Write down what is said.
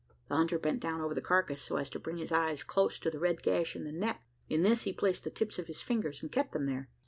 The hunter bent down over the carcass, so as to bring his eyes close to the red gash in the neck. In this he placed the tips of his fingers, and kept them there.